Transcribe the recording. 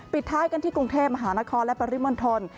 ปิดท้ายกันที่กรุงเทพมหานครและปริมณฑล